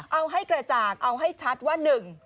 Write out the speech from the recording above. เอาให้กระจ่างเอาให้ชัดว่า